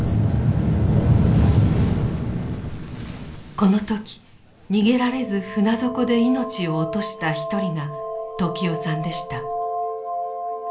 この時逃げられず船底で命を落とした一人が時雄さんでした。